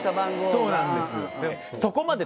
そうなんです。